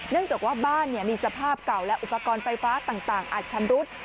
จากว่าบ้านมีสภาพเก่าและอุปกรณ์ไฟฟ้าต่างอาจชำรุด